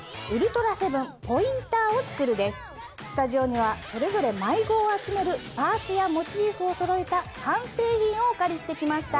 スタジオにはそれぞれ毎号集めるパーツやモチーフをそろえた完成品をお借りして来ました。